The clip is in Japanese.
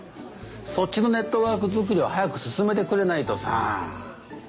そっちのネットワーク作りを早く進めてくれないとさ。